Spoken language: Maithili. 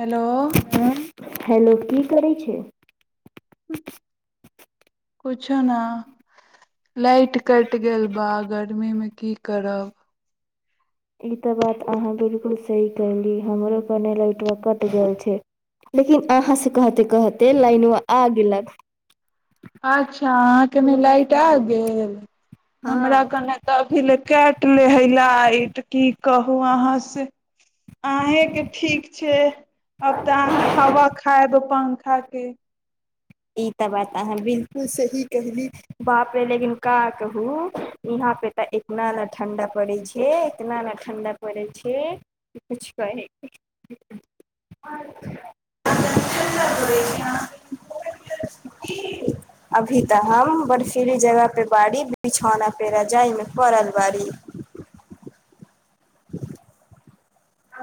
हेलो ह हेलो की करै छै ह्म कुछो ने लाइट कटि गेल बा गर्मी मे की करब ई तऽ बात अहाँ बिलकुल सही कली हमरोपर नहि लाइटवा कटि गेल छै लेकिन अहाँसँ कहते कहते लाइनो आग ल अच्छा अहाँके ने लाइट आ गेल हँ हमरा कने तऽ अभी ल काट ले हे लाइट की कहू अहाँ से ह अहेंके ठीक छै आब तऽ अहाँ हवा खायब पंखा के ई तऽ बात अहाँ बिल सही कहली बाप रे लेकनका कहू यहा पे त इतना ने ठंडा पड़े छै इतना ने ठंडा [unintelligible] अभी तऽ हम बर्फीली जगह पे बाड़ी बिछौना पेरा जाइमे पड़ल बारी आ